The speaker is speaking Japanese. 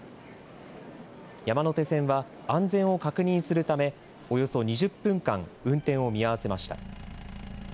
山手線は安全を確認するため、およそ２０分間、運転を見合わせました。